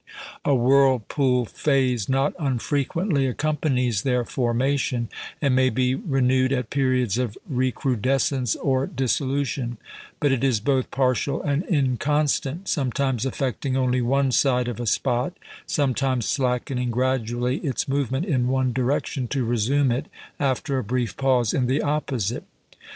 A whirlpool phase not unfrequently accompanies their formation, and may be renewed at periods of recrudescence or dissolution; but it is both partial and inconstant, sometimes affecting only one side of a spot, sometimes slackening gradually its movement in one direction, to resume it, after a brief pause, in the opposite.